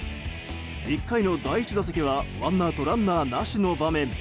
１回の第１打席はワンアウトランナーなしの場面。